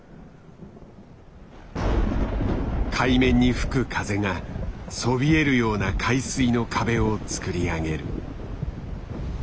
海面に吹く風がそびえるような海水の壁をつくり上げる。